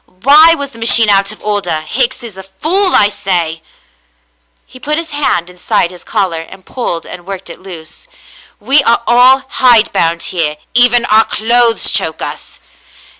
Why was the machine out of order ? Hicks is a fool — I say !" He put his hand inside his collar and pulled and worked it loose. "We are all hidebound here. Even our clothes choke us."